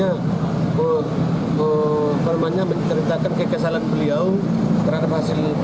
yang permohonannya menceritakan kekesalan beliau terhadap hasil